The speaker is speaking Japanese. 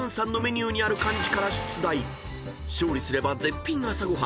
［勝利すれば絶品朝ご飯］